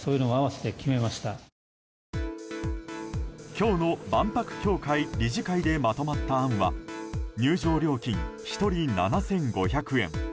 今日の万博協会理事会でまとまった案は入場料金１人７５００円。